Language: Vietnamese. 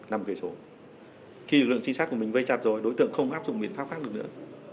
năm km năm km khi lực lượng trinh sát của mình vây chặt rồi đối tượng không áp dụng biện pháp khác được nữa